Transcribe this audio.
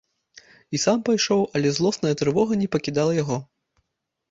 І сам пайшоў, але злосная трывога не пакідала яго.